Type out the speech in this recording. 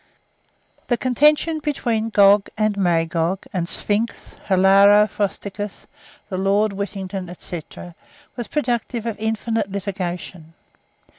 _ The contention between Gog and Magog, and Sphinx, Hilaro Frosticos, the Lord Whittington, &c., was productive of infinite litigation.